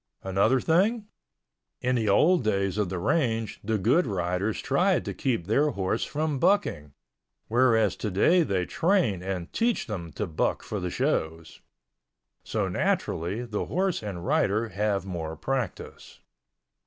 Another thing, in the old days of the range the good riders tried to keep their horse from bucking, whereas today they train and teach them to buck for the shows. So naturally the horse and rider have more practice.